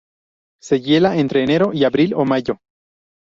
Se hiela entre enero y abril o mayo.